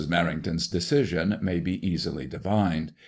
Menington's decision may be easily divined.